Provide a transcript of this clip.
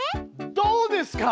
どうですか！